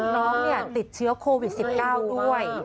น้องติดเชื้อโควิด๑๙ด้วย